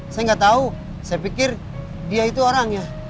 saya nggak tahu saya pikir dia itu orang ya